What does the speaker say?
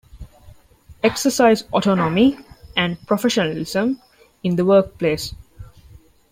Exercise autonomy and professionalism in the workplace.